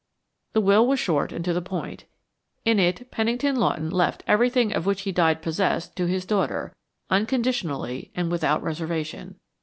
The will was short and to the point. In it Pennington Lawton left everything of which he died possessed to his daughter, unconditionally and without reservation.